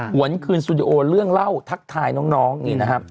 ห่วนคืนสุดิโอเรื่องเล่าทักทายน้อง